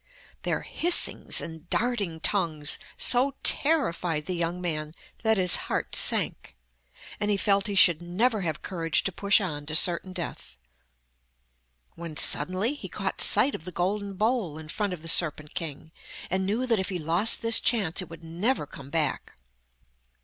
Their hissings and darting tongues so terrified the young man that his heart sank, and he felt he should never have courage to push on to certain death, when suddenly he caught sight of the golden bowl in front of the serpent king, and knew that if he lost this chance it would never come back.